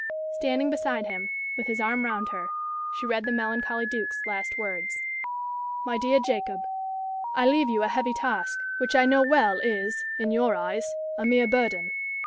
Standing beside him, with his arm round her, she read the melancholy Duke's last words: "My Dear Jacob, I leave you a heavy task, which I know well is, in your eyes, a mere burden.